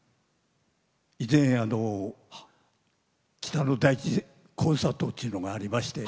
以前、「北の大地コンサート」というのがありまして。